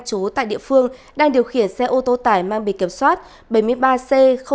chú tại địa phương đang điều khiển xe ô tô tải mang bị kiểm soát bảy mươi ba c ba nghìn sáu trăm bảy mươi một